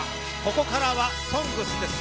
ここからは「ＳＯＮＧＳ」です。